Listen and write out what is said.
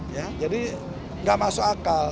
ya jadi nggak masuk akal